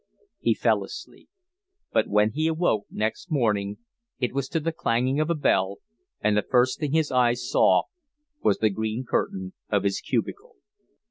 He fell asleep. But when he awoke next morning it was to the clanging of a bell, and the first thing his eyes saw was the green curtain of his cubicle.